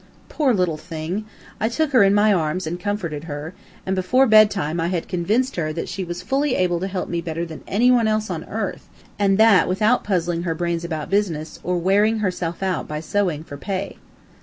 Poor little thing! I took her in my arms and comforted her, and before bedtime I had convinced her that she was fully able to help me better than any one else on earth, and that without puzzling her brains about business, or wearing herself out by sewing for pay.